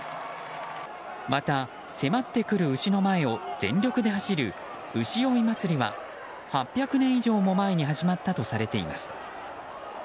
また、迫ってくる牛の前を全力で走る牛追い祭りは８００年以上も前に始まったとされています。